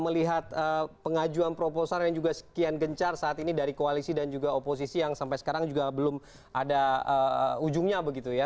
melihat pengajuan proposal yang juga sekian gencar saat ini dari koalisi dan juga oposisi yang sampai sekarang juga belum ada ujungnya begitu ya